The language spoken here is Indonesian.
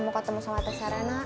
mau ketemu sama tess serena